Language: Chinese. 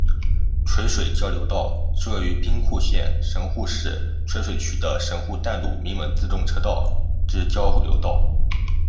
垂水交流道是位于兵库县神户市垂水区的神户淡路鸣门自动车道之交流道。